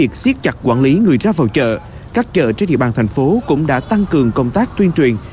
việc siết chặt quản lý người ra vào chợ các chợ trên địa bàn thành phố cũng đã tăng cường công tác tuyên truyền